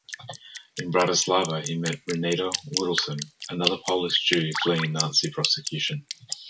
In Bratislava, he met Renata Witelson, another Polish Jew fleeing Nazi persecution.